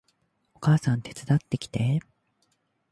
お母さん手伝ってきて